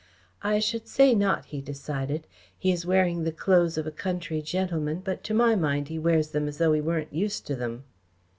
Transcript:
"I should say not," he decided. "He is wearing the clothes of a country gentleman, but to my mind he wears them as though he weren't used to them."